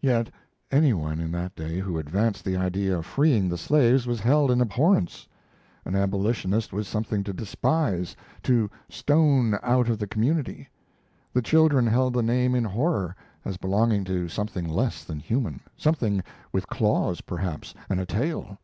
Yet any one in that day who advanced the idea of freeing the slaves was held in abhorrence. An abolitionist was something to despise, to stone out of the community. The children held the name in horror, as belonging to something less than human; something with claws, perhaps, and a tail.